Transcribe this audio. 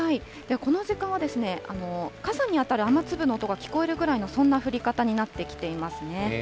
この時間はですね、傘に当たる雨粒の音が聞こえるくらいの、そんな降り方になってきていますね。